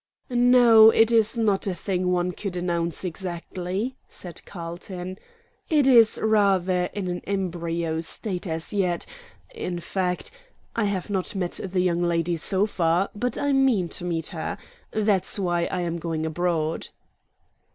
"No, it is not a thing one could announce exactly," said Carlton; "it is rather in an embryo state as yet in fact, I have not met the young lady so far, but I mean to meet her. That's why I am going abroad."